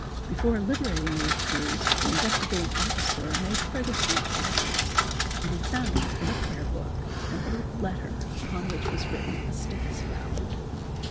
Before liberating the accused the Investigating Officer made further search at her house, and he found, in a prayer book, an old letter upon which was written a "stick spell.